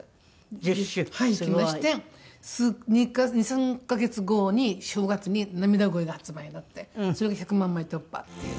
すごい！いきまして２３カ月後に正月に『なみだ恋』が発売になってそれが１００万枚突破っていう。